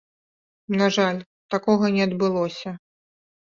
На жаль, такога не адбылося.